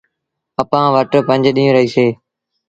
اَپآن وٽ پنج ڏيٚݩهݩ رهيٚسي۔